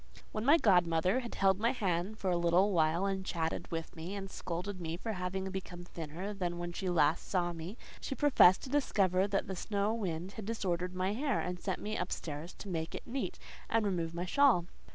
When my godmother had held my hand for a little while, and chatted with me, and scolded me for having become thinner than when she last saw me, she professed to discover that the snow wind had disordered my hair, and sent me up stairs to make it neat and remove my shawl.